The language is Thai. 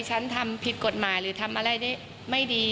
ชั้นทำผิดกฎหมายหรือทำอะไรไม่ดี